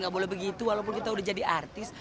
gak boleh begitu walaupun kita udah jadi artis